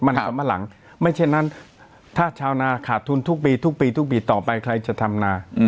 ไม่ใช่ฉันนั้นถ้าชาวนาขาดทุนทุกปีทุกปีต่อไปใครจะถำนา